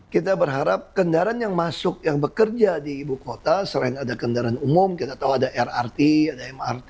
kita berharap kendaraan yang masuk yang bekerja di ibu kota selain ada kendaraan umum kita tahu ada rrt ada mrt